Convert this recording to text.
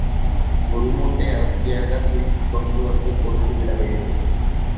ஒரு மூட்டை அரிசியாகத் திருப்பிக் கொண்டுவந்து கொடுத்துவிட வேண்டும்.